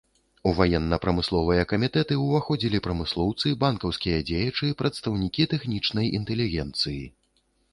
У ваенна-прамысловыя камітэты ўваходзілі прамыслоўцы, банкаўскія дзеячы, прадстаўнікі тэхнічнай інтэлігенцыі.